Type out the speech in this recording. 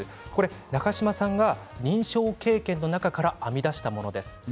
中島さんが臨床経験の中から編み出したものです。